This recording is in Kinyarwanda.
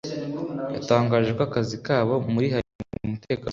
yatangaje ko akazi kabo muri Haiti katagarukiye mu gucunga umutekano gusa